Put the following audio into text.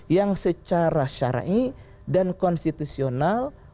yang secara syari dan konstitusional